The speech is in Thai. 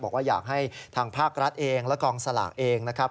บอกว่าอยากให้ทางภาครัฐเองและกองสลากเองนะครับ